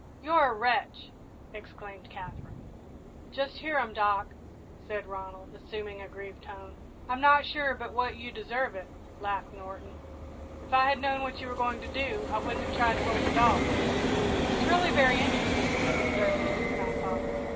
"You're a wretch!" exclaimed Katherine. "Just hear 'em, Doc," said Ronald, assuming a grieved tone. "I'm not sure but what you deserve it," laughed Norton. "If I had known what you were going to do, I wouldn't have tried to hold the dog." "It's really very interesting," observed the Ensign, thoughtfully.